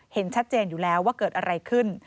เห็นชัดเจนอยู่แล้วว่าเกิดอะไรขึ้น